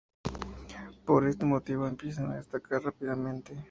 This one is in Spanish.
Por este motivo, empiezan a destacar rápidamente.